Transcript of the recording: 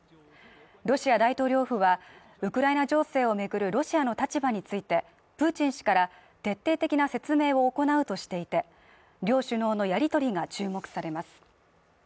ロシア大統領府は、ウクライナ情勢を巡るロシアの立場について、プーチン氏から徹底的な説明を行うとしていて両首脳のやり取りが注目されます。